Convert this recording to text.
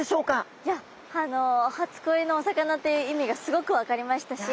いやあの初恋のお魚といういみがすごく分かりましたし